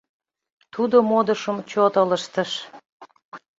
Тудо модышым чот ылыжтыш.